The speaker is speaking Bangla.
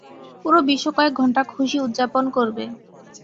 পুরো বিশ্ব কয়েক ঘন্টা খুশি উদযাপন করবে।